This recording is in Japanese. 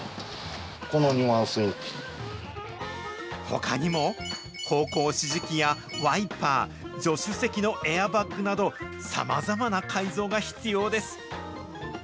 ほかにも、方向指示器やワイパー、助手席のエアバッグなど、さまざまな改造が必要です。